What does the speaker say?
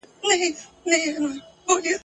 بیا به موسم وي د پسرلیو ..